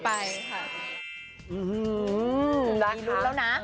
ไม่รุ้นแล้วนะ